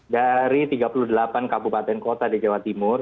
dari tiga puluh delapan kabupaten kota di jawa timur